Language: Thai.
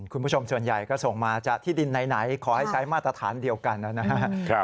คุณผู้ชมส่วนใหญ่ก็ส่งมาจากที่ดินไหนขอให้ใช้มาตรฐานเดียวกันนะครับ